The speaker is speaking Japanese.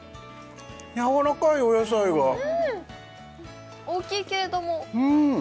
やわらかいお野菜が大きいけれどもうん！